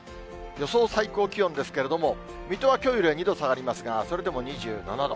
予想最高気温ですけれども、水戸はきょうより２度下がりますが、それでも２７度。